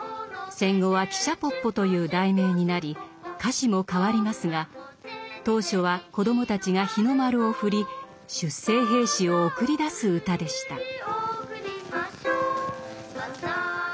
戦後は「汽車ポッポ」という題名になり歌詞も変わりますが当初は子どもたちが日の丸を振り出征兵士を送り出す歌でした。